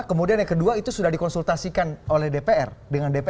kemudian yang kedua itu sudah dikonsultasikan oleh dpr dengan dpr